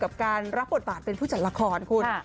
กับการรับบทบาทเป็นผู้จัดละครคุณ